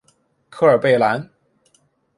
科尔贝兰。